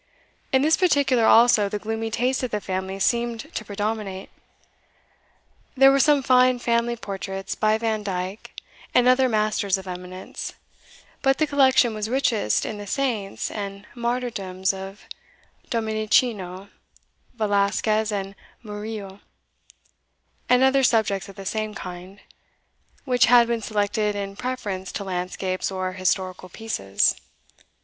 In this particular also the gloomy taste of the family seemed to predominate. There were some fine family portraits by Vandyke and other masters of eminence; but the collection was richest in the Saints and Martyrdoms of Domenichino, Velasquez, and Murillo, and other subjects of the same kind, which had been selected in preference to landscapes or historical pieces.